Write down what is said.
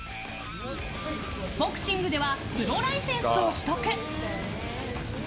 ボクシングではプロライセンスを取得。